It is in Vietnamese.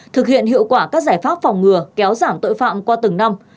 thực hiện hiệu quả các giải pháp phòng ngừa kéo giảm tội phạm qua từng năm